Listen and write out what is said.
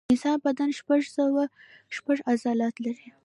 د انسان بدن شپږ سوه شپږ عضلات لري.